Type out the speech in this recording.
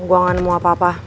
gue gak nemu apa apa